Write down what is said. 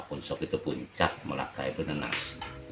punsuk itu puncak melaka ya beneran